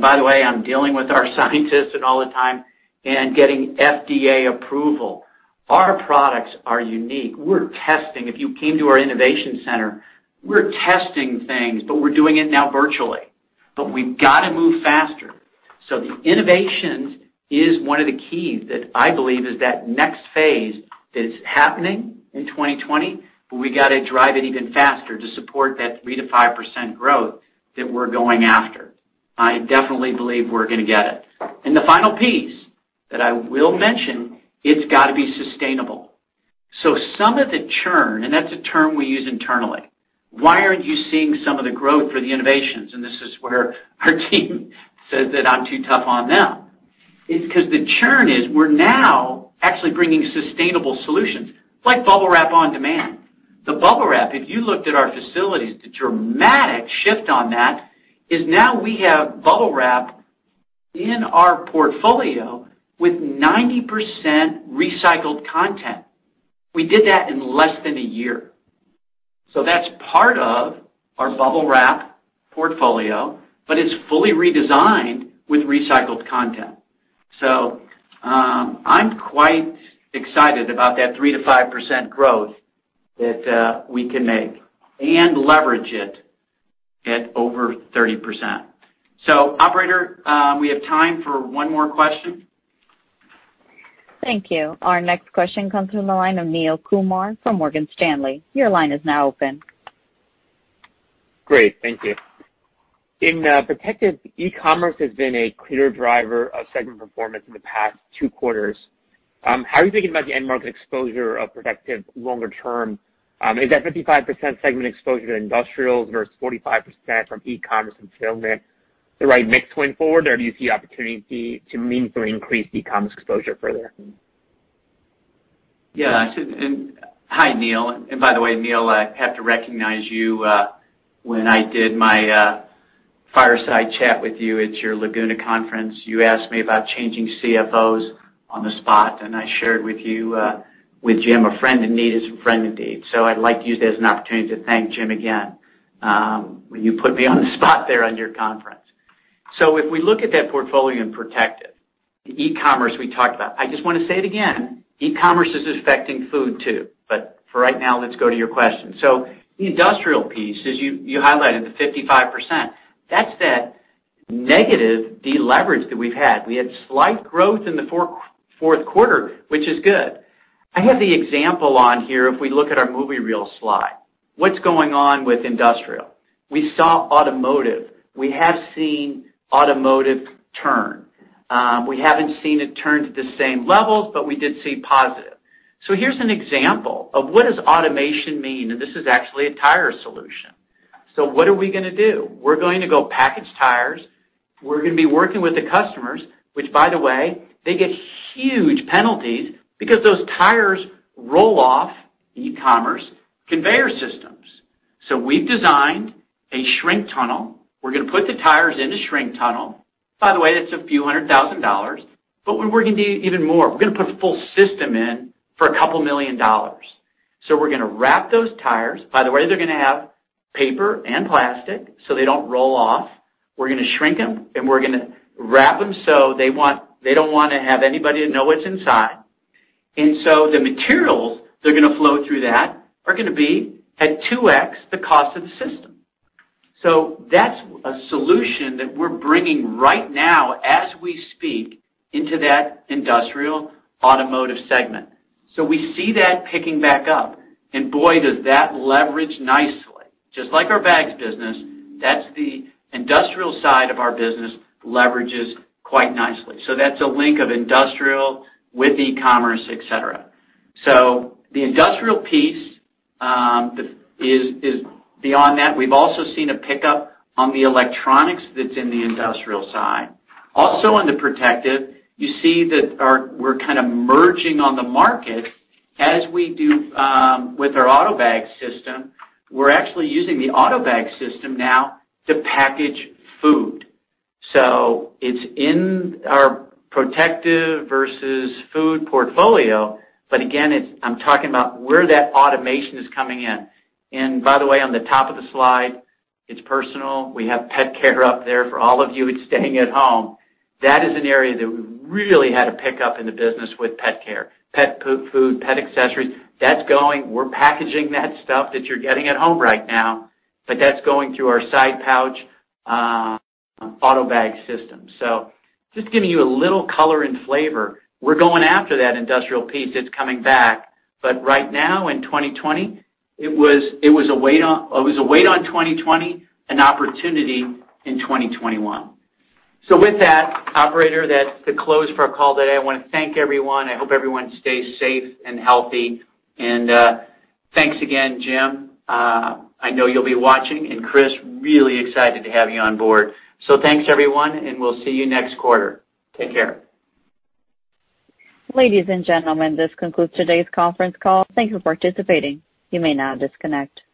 By the way, I'm dealing with our scientists and all the time and getting FDA approval. Our products are unique. We're testing. If you came to our innovation center, we're testing things, we're doing it now virtually. We've got to move faster. The innovations is one of the keys that I believe is that next phase that is happening in 2020, we got to drive it even faster to support that 3%-5% growth that we're going after. I definitely believe we're going to get it. The final piece that I will mention, it's got to be sustainable. Some of the churn, and that's a term we use internally. Why aren't you seeing some of the growth for the innovations? This is where our team says that I'm too tough on them. It's because the churn is we're now actually bringing sustainable solutions. It's like bubble wrap on demand. The Bubble Wrap, if you looked at our facilities, the dramatic shift on that is now we have BUBBLE WRAP in our portfolio with 90% recycled content. We did that in less than one year. That's part of our Bubble Wrap portfolio, but it's fully redesigned with recycled content. I'm quite excited about that 3%-5% growth that we can make and leverage it at over 30%. Operator, we have time for one more question. Thank you. Our next question comes from the line of Neel Kumar from Morgan Stanley. Your line is now open. Great. Thank you. In Protective, e-commerce has been a clear driver of segment performance in the past two quarters. How are you thinking about the end market exposure of Protective longer term? Is that 55% segment exposure to industrials versus 45% from e-commerce fulfillment the right mix going forward? Do you see opportunity to meaningfully increase e-commerce exposure further? Yeah. Hi, Neel. By the way, Neel, I have to recognize you when I did my fireside chat with you at your Laguna conference. You asked me about changing CFOs on the spot, I shared with you, with Jim, a friend in need is a friend indeed. I'd like to use that as an opportunity to thank Jim again when you put me on the spot there on your conference. If we look at that portfolio in Protective, the e-commerce we talked about. I just want to say it again, e-commerce is affecting Food, too. For right now, let's go to your question. The industrial piece, as you highlighted, the 55%, that's that negative deleverage that we've had. We had slight growth in the fourth quarter, which is good. I have the example on here, if we look at our movie reel slide. What's going on with industrial? We saw automotive. We have seen automotive turn. We haven't seen it turn to the same levels, but we did see positive. Here's an example of what does automation mean, and this is actually a tire solution. What are we going to do? We're going to go package tires. We're going to be working with the customers, which by the way, they get huge penalties because those tires roll off e-commerce conveyor systems. We've designed a shrink tunnel. We're going to put the tires in a shrink tunnel. By the way, that's a few $100,000. We're working to do even more. We're going to put a full system in for a couple million dollars. We're going to wrap those tires. By the way, they're going to have paper and plastic, so they don't roll off. We're going to shrink them, and we're going to wrap them so they don't want to have anybody to know what's inside. The materials that are going to flow through that are going to be at 2x the cost of the system. That's a solution that we're bringing right now, as we speak, into that industrial automotive segment. We see that picking back up. Boy, does that leverage nicely. Just like our bags business, that's the industrial side of our business leverages quite nicely. That's a link of industrial with e-commerce, et cetera. The industrial piece is beyond that. We've also seen a pickup on the electronics that's in the industrial side. Also, on the Protective, you see that we're kind of merging on the market as we do with our AUTOBAG system. We're actually using the AUTOBAG system now to package Food. It's in our Protective versus Food portfolio. Again, I'm talking about where that automation is coming in. By the way, on the top of the slide, it's personal. We have pet care up there for all of you who's staying at home. That is an area that we really had a pickup in the business with pet care, pet food, pet accessories. We're packaging that stuff that you're getting at home right now, but that's going through our side pouch AUTOBAG system. Just giving you a little color and flavor. We're going after that industrial piece. It's coming back. Right now in 2020, it was a wait on 2020, an opportunity in 2021. With that, operator, that's the close for our call today. I want to thank everyone. I hope everyone stays safe and healthy. Thanks again, Jim. I know you'll be watching and, Chris, really excited to have you on board. Thanks, everyone, and we'll see you next quarter. Take care. Ladies and gentlemen, this concludes today's conference call. Thank you for participating. You may now disconnect.